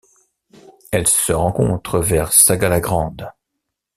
Elle se rencontre vers Sagua La Grande.